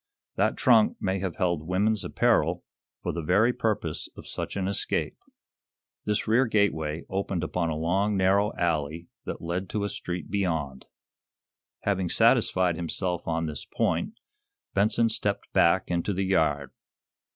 That trunk may have held woman's apparel for the very purposes of such an escape." This rear gateway opened upon a long, narrow alley that led to a street beyond. Having satisfied himself on this point, Benson stepped back into the yard.